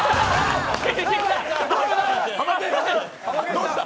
どうした？